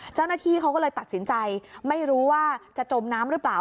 เจ้าหน้าที่เขาก็เลยตัดสินใจไม่รู้ว่าจะจมน้ำหรือเปล่า